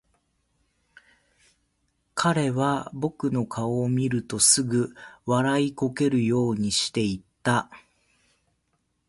彼は僕の顔を見るとすぐ、笑いこけるようにして言った。